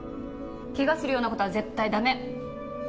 怪我するような事は絶対駄目！